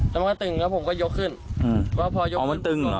แล้วมันก็ตึงแล้วผมก็ยกขึ้นอืมว่าพอยกขึ้นอ๋อมันตึงเหรอ